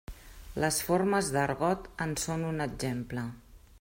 Les formes d'argot en són un exemple.